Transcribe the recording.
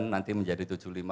nanti menjadi tujuh puluh lima